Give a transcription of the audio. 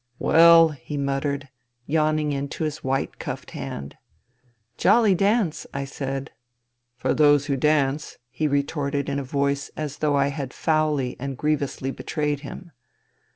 " Well," he muttered, yawning into his white cuffed hand. " Jolly dance," I said. " For those who dance," he retorted in a voice as though I had foully and grievously betrayed him.